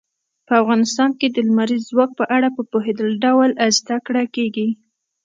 په افغانستان کې د لمریز ځواک په اړه په پوره ډول زده کړه کېږي.